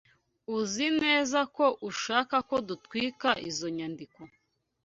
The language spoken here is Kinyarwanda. Uzi neza ko ushaka ko dutwika izo nyandiko?